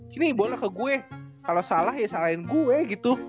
sini boleh ke gue kalau salah ya salahin gue gitu